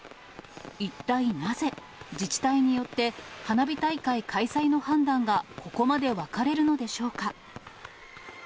一体なぜ、自治体によって花火大会開催の判断がここまで分かれるのでしょうか。